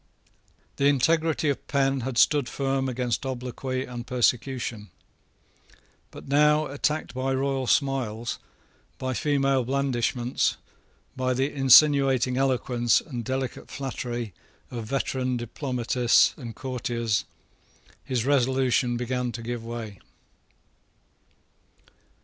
The integrity of Penn had stood firm against obloquy and persecution. But now, attacked by royal smiles, by female blandishments, by the insinuating eloquence and delicate flattery of veteran diplomatists and courtiers, his resolution began to give way.